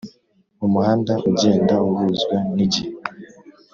Umuhanda ugenda uhuzwa n igihe